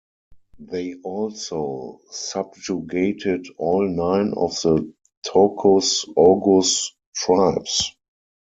They also subjugated all nine of the Tokuz Oguz tribes.